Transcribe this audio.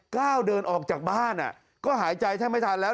ก้าวเดินออกจากบ้านก็หายใจแทบไม่ทันแล้ว